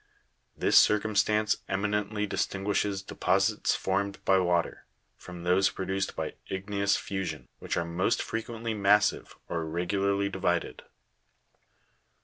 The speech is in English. This circumstance eminently distinguishes deposits formed by water, from those produced by igneous fusion, which are most frequently massive, or irregularly divided.